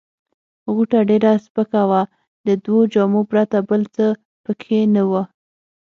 غوټه ډېره سپکه وه، د دوو جامو پرته بل څه پکښې نه وه.